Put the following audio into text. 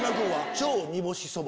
超煮干そば。